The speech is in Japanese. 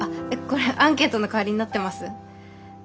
これアンケートの代わりになってます？